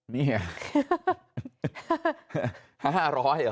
เนี่ย